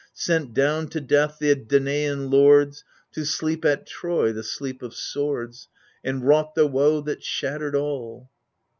Sent down to death the Danaan lords, To sleep at Troy the sleep of swords, And wrought the woe that shattered all.